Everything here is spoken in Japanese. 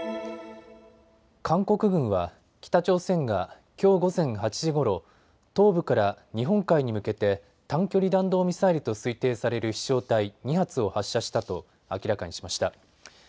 韓国軍は北朝鮮がきょう午前８時ごろ、東部から日本海に向けて短距離弾道ミサイルと推定される飛しょう体２発を発射したと明らかにしました。